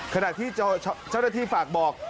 ขณะที่เจ้าหน้าที่ฝากบอก